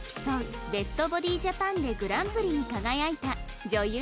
ベストボディ・ジャパンでグランプリに輝いた女優